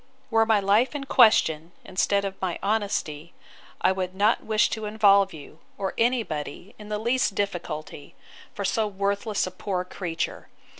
'Were my life in question, instead of my honesty, I would not wish to involve you, or any body, in the least difficulty, for so worthless a poor creature.